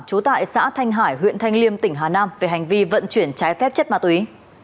trú tại xã thanh hải huyện thanh liêm tỉnh hà nam về hành vi vận chuyển trái phép chất ma túy